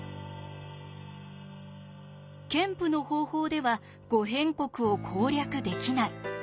ケンプの方法では「五辺国」を攻略できない。